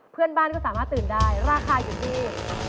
เพื่อนบ้านก็สามารถตื่นได้ราคาอยู่ที่